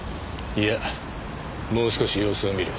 いやもう少し様子を見る。